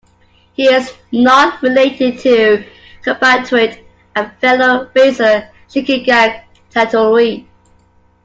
He is not related to compatriot and fellow racer Shigeaki Hattori.